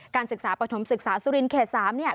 การศึกษาประถมศึกษาสุรินทร์เขต๓เนี่ย